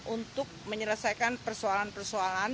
untuk menyelesaikan persoalan persoalan